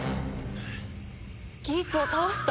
ギーツを倒した！？